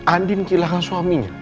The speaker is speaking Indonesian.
andin kehilangan suaminya